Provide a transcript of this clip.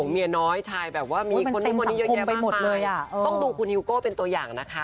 เมียหลวงมีเน้ย